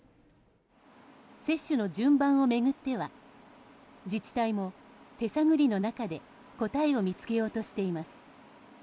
接種の順番を巡っては自治体も手探りの中で答えを見つけようとしています。